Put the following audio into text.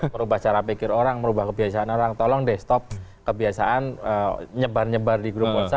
merubah cara pikir orang merubah kebiasaan orang tolong deh stop kebiasaan nyebar nyebar di grup whatsapp